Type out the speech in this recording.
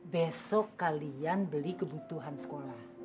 besok kalian beli kebutuhan sekolah